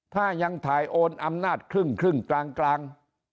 ถ้ายังถ่ายโอนอำนาจครึ่งครึ่งกลางกลาง